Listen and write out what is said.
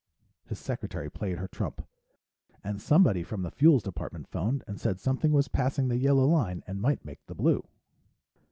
His secretary played her trump. "And somebody from the Fuels Department phoned and said something was passing the yellow line and might make the blue."